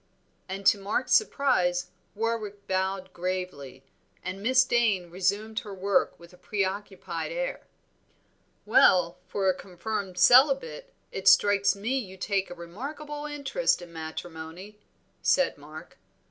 And to Mark's surprise Warwick bowed gravely, and Miss Dane resumed her work with a preoccupied air. "Well, for a confirmed celibate, it strikes me you take a remarkable interest in matrimony," said Mark.